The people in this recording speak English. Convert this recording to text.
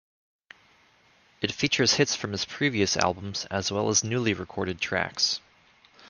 It features hits from his previous albums, as well as newly recorded tracks.